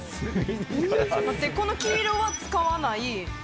待って、この黄色は使わない。